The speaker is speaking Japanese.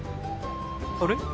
あれ？